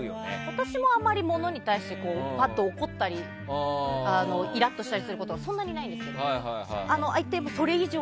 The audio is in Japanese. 私も、あまり物に対してパッと怒ったりイラッとしたりすることはそんなにないんですね。